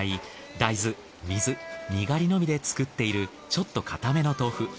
大豆水にがりのみで作っているちょっと硬めの豆腐。